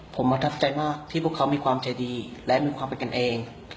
ผมประทับใจมากที่พวกเขามีความใจดีและมีความเป็นกันเอง